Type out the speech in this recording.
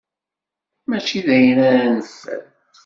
Mačči d ayen ara neffer.